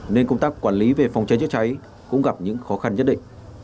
nên công tác quản lý về phòng cháy chữa cháy cũng gặp những khó khăn nhất định